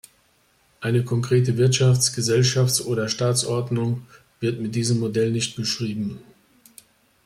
Eine konkrete Wirtschafts-, Gesellschafts- oder Staatsordnung wird mit diesem Modell nicht beschrieben.